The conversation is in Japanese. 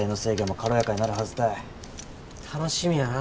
楽しみやな。